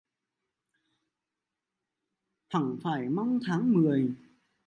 Hẳng phải mong tháng mười.